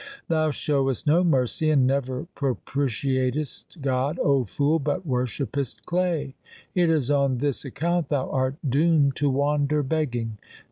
Thou showest no mercy and never pro pitiatest God, O fool, but worshippest clay. It is on this account thou art doomed to wander begging.